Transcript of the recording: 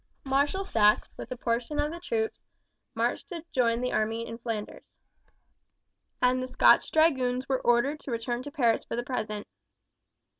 Marshal Saxe with a portion of the troops marched to join the army in Flanders, and the Scotch Dragoons were ordered to return to Paris for the present.